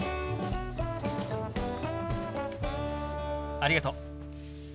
ありがとう。